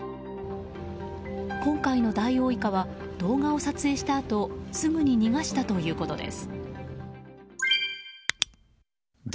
今回のダイオウイカは動画を撮影したあとすぐに逃がしたということです。